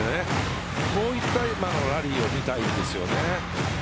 こういったラリーを見たいんですよね。